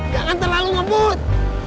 jangan terlalu ngebut